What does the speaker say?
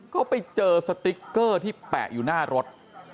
ก็ไปเจอสติ๊กเกอร์ที่แปะอยู่หน้ารถ